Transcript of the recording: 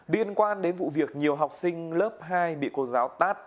liên quan đến vụ việc nhiều học sinh lớp hai bị cô giáo tát